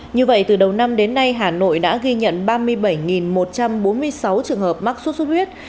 như vậy từ đầu năm đến nay hà nội đã ghi nhận ba mươi bảy một trăm bốn mươi sáu trường hợp mắc sốt xuất huyết